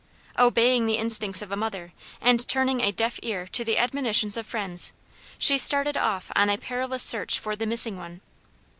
Obeying the instincts of a mother, and turning a deaf ear to the admonitions of friends, she started off on a perilous search for the missing one.